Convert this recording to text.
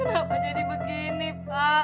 kenapa jadi begini pak